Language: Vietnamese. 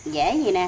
dễ gì nè